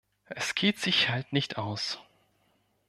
Es geht sich halt nicht aus.